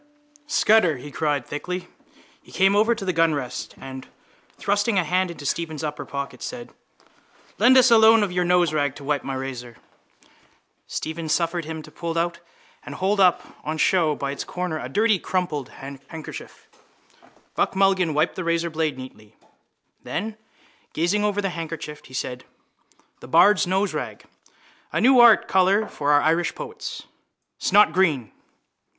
—Scutter! he cried thickly. He came over to the gunrest and, thrusting a hand into Stephen's upper pocket, said: —Lend us a loan of your noserag to wipe my razor. Stephen suffered him to pull out and hold up on show by its corner a dirty crumpled handkerchief. Buck Mulligan wiped the razorblade neatly. Then, gazing over the handkerchief, he said: —The bard's noserag! A new art colour for our Irish poets: snotgreen.